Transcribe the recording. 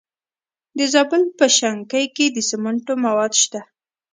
د زابل په شنکۍ کې د سمنټو مواد شته.